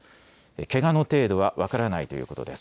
けがの程度は分からないということです。